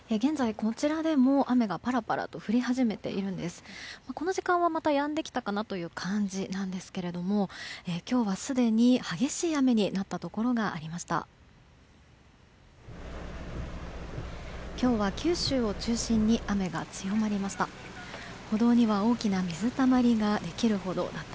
この時間はやんできたかなという感じなんですけれども今日はすでに激しい雨になったところがありました。